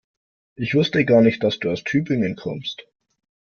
Ich wusste gar nicht, dass du aus Tübingen kommst